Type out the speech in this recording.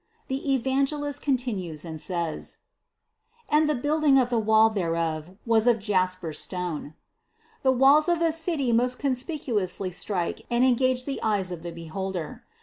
The Evangelist continues and says : 282. "And the building of the wall thereof was of jasper stone." The walls of a city most conspicuously strike and engage the eyes of the beholder.